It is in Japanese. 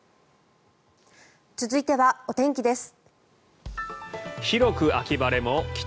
続いてはお天気です。